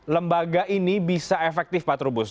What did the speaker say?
lembaga ini bisa efektif pak trubus